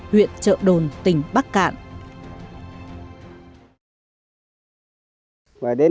huyện trợ đồn tỉnh bắc cạn